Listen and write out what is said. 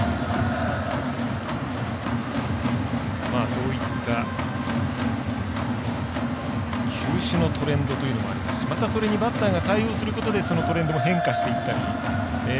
そういった球種のトレンドというのもありますしまた、それにバッターが対応することでそのトレンドも変化していったり。